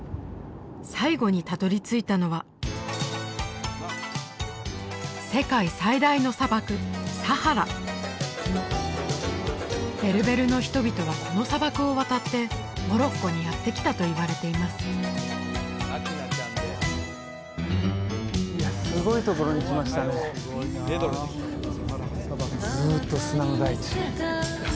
最後にたどり着いたのは世界最大の砂漠サハラベルベルの人々はこの砂漠を渡ってモロッコにやって来たといわれていますいやすごいところに来ましたねずっと砂の大地